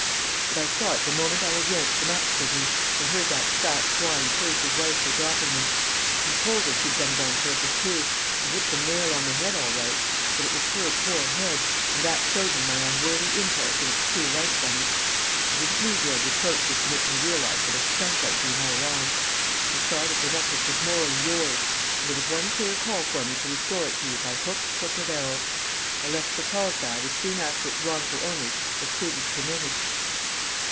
"But I saw it the moment I had yanked them up," said he, "and heard that fat swine curse his wife for dropping them. He told her she'd done it on purpose, too; he hit the nail on the head all right; but it was her poor head, and that showed me my unworthy impulse in its true light, Bunny. I didn't need your reproaches to make me realise what a skunk I'd been all round. I saw that the necklace was morally yours, and there was one clear call for me to restore it to you by hook, crook, or barrel. I left for Carlsbad as soon after its wrongful owners as prudence permitted."